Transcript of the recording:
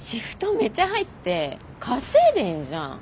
めちゃ入って稼いでんじゃん。